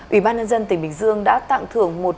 ủy ban nhân dân tỉnh bình dương đã tặng thưởng